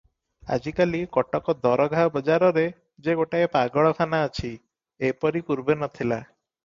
ଆଜିକାଲି କଟକ ଦରଘା ବଜାରରେ ଯେ ଗୋଟିଏ ପାଗଳଖାନା ଅଛି, ଏପରି ପୂର୍ବେ ନ ଥିଲା ।